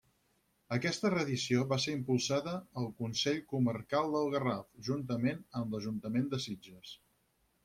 Aquesta reedició va ser impulsada el Consell Comarcal del Garraf, juntament amb l'Ajuntament de Sitges.